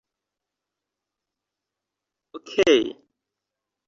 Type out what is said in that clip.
Okej.